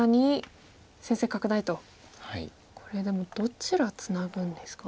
これでもどちらツナぐんですか？